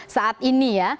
saat ini ya